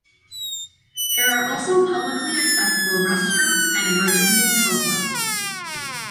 There are also publicly accessible restrooms and emergency telephones.